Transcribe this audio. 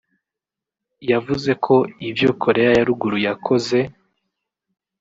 yavuze ko ivyo Korea ya Ruguru yakoze